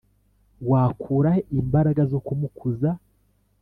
Wakura he imbaraga zo kumukuza?